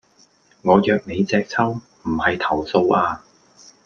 我約你隻揪,唔係投訴呀